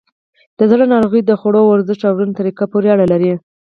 د زړه ناروغۍ د خوړو، ورزش، او ژوند طریقه پورې اړه لري.